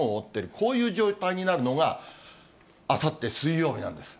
こういう状態になるのが、あさって水曜日なんです。